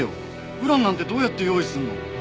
ウランなんてどうやって用意するの？